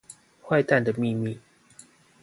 壞蛋的祕密